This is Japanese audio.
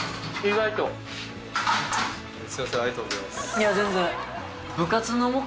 いや全然。